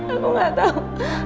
aku gak tau